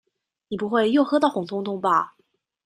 你不會又喝到紅通通吧？